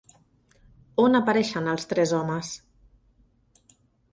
On apareixen els tres homes?